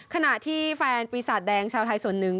ขณะที่แฟนปีศาจแดงชาวไทยส่วนหนึ่ง